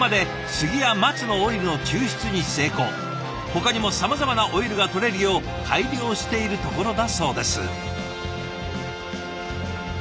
ほかにもさまざまなオイルがとれるよう改良しているところだそうです。